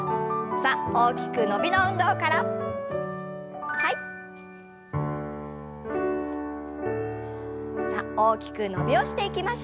さあ大きく伸びをしていきましょう。